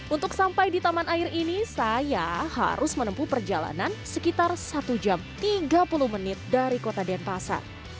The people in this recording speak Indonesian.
untuk sampai di taman air ini saya harus menempuh perjalanan sekitar satu jam tiga puluh menit dari kota denpasar